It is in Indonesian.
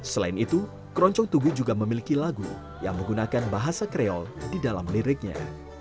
selain itu keroncong tugu juga memiliki lagu yang menggunakan bahasa kreol di dalam liriknya